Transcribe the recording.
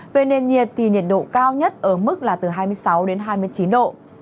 về nền nhiệt thì nhiệt độ cao nhất ở mức là từ hai mươi sáu đến hai mươi chín độ